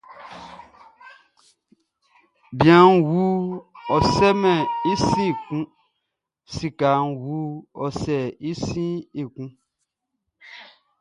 Bianʼn wu, ɔ su sɛmɛn i sin kun; sikaʼn wu, kpɛkun ɔ sa sin.